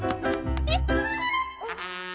えっ？